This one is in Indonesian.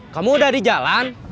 kamu udah di jalan